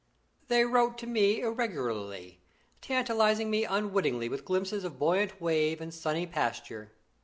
They wrote to me irregularly, tantalising me unwittingly with glimpses of buoyant wave and sunny pasture.